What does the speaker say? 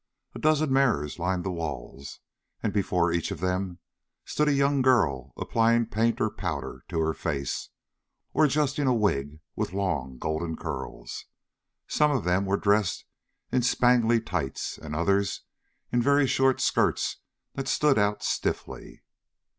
A dozen mirrors lined the walls and before each of them stood a young girl applying paint or powder to her face, or adjusting a wig with long golden curls. Some of them were dressed in spangly tights and others in very short skirts that stood out stiffly.